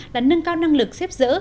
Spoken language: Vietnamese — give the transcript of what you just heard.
là nâng cao năng lực xếp dỡ